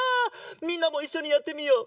みんなもいっしょにやってみよう。